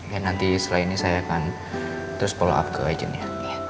ya nanti setelah ini saya akan terus follow up ke agentnya